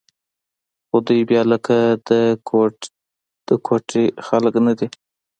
خو دوى بيا لکه د کوټې خلق نه دي.